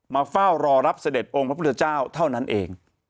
เฝ้ารอรับเสด็จองค์พระพุทธเจ้าเท่านั้นเอง